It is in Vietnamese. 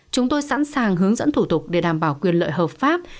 chúng tôi sẵn sàng hướng dẫn thủ tục để đảm bảo quyền lợi hợp pháp